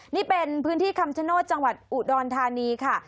นี่เป็นพื้นที่คำชโนธจังหวัดอุดรธานีค่ะ